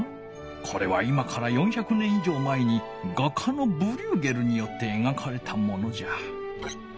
これは今から４００年いじょう前に画家のブリューゲルによってえがかれたものじゃ。